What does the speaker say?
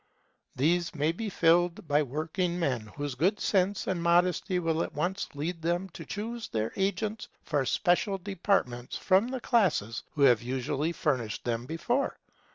These may be filled by working men, whose good sense and modesty will at once lead them to choose their agents for special departments from the classes who have usually furnished them before.